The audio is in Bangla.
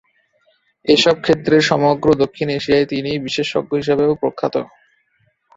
এসব ক্ষেত্রে সমগ্র দক্ষিণ এশিয়ায় তিনি বিশেষজ্ঞ হিসেবেও প্রখ্যাত।